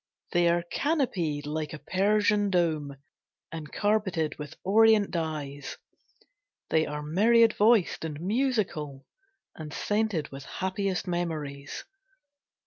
They are canopied like a Persian dome And carpeted with orient dyes. They are myriad voiced, and musical, And scented with happiest memories.